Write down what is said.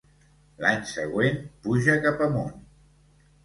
L'any següent pujar cap amunt.